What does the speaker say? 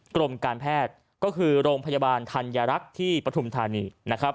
กรมการแพทย์ก็คือโรงพยาบาลธัญรักษ์ที่ปฐุมธานีนะครับ